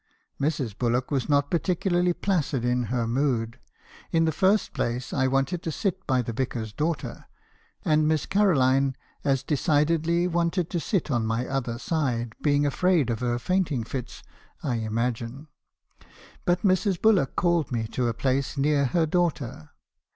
Mrs. Bullock was not particularly placid in her mood. In the first place, I wanted to sit by the vicar's daughter, and Miss Caroline as de cidedly wanted to sit on my other side, being afraid of her fainting fits , I imagine. But Mrs. Bullock called me to a place near her daughter.